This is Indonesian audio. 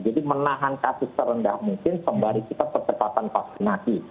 jadi menahan kasus terendah mungkin sembari kita percepatan vaksinasi